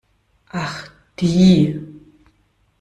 Ach die!